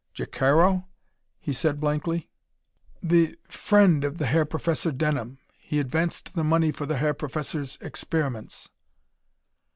"Jacaro?" he said blankly. "The friend of the Herr Professor Denham. He advanced the money for the Herr Professor's experiments."